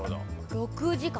６時間。